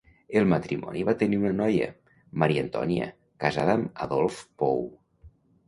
El matrimoni va tenir una noia, Maria Antònia, casada amb Adolf Pou.